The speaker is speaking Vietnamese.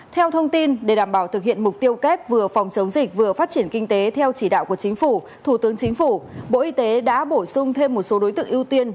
theo thông tin để đảm bảo thực hiện mục tiêu kép vừa phòng chống dịch vừa phát triển kinh tế theo chỉ đạo của chính phủ thủ tướng chính phủ bộ y tế đã bổ sung thêm một số đối tượng ưu tiên